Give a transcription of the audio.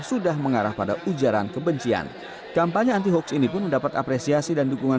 sudah mengarah pada ujaran kebencian kampanye anti hoax ini pun mendapat apresiasi dan dukungan